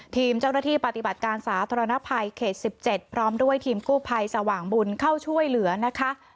ทีมเจ้าหน้าที่ปฏิบัติการสาธารณภัยเขต๑๗พร้อมด้วยทีมกู้ภัยสว่างบุญเข้าช่วยเหลือนะคะ